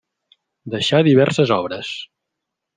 Deixà diverses obres.